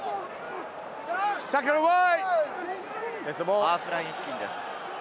ハーフライン付近です。